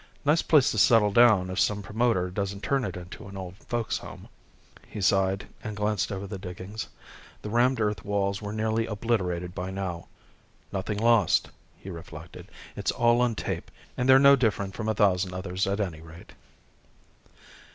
Nice place to settle down if some promoter doesn't turn it into an old folks home._ He sighed and glanced over the diggings. The rammed earth walls were nearly obliterated by now. Nothing lost, he reflected. _It's all on tape and they're no different from a thousand others at any rate.